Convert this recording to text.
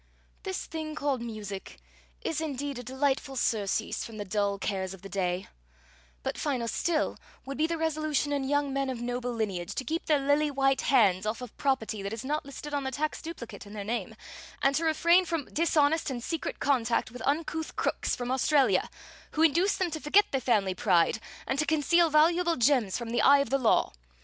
"This thing called music is indeed a delightful surcease from the dull cares of the day, but finer still would be the resolution in young men of noble lineage to keep their lily white hands off of property that is not listed on the tax duplicate in their name, and to refrain from dishonest and secret contact with uncouth crooks from Australia, who induce them to forget their family pride and to conceal valuable gems from the eye of the law!